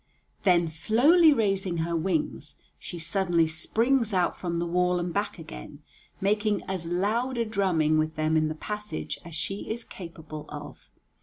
Then, slowly raising her wings, she suddenly springs out from the wall and back again, making as loud a drumming with them in the passage as she is capable of.